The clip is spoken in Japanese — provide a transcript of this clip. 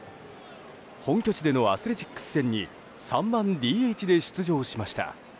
本拠地でのアスレチックス戦に３番ＤＨで出場しました。